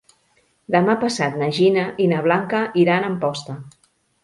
Demà passat na Gina i na Blanca iran a Amposta.